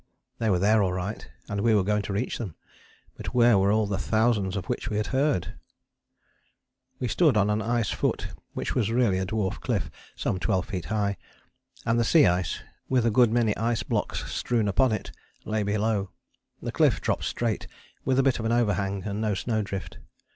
They were there all right, and we were going to reach them, but where were all the thousands of which we had heard? We stood on an ice foot which was really a dwarf cliff some twelve feet high, and the sea ice, with a good many ice blocks strewn upon it, lay below. The cliff dropped straight, with a bit of an overhang and no snow drift.